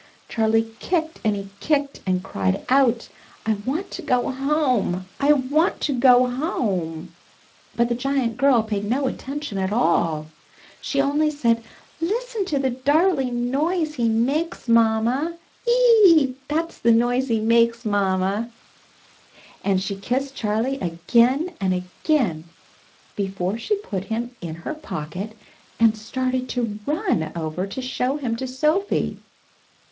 Charlie kicked and he kicked, and cried out, 'T want to go home; I want to go 10 CHARLIE homel" but the giant girl paid no attention at all. She only said, "Listen to the dar ling noise he makes, Mamma — e e e e e e e — ^that's the noise he makes. Mamma." And she kissed Charlie again and again before she put him in her pocket, and started to run over to show him to Sophie.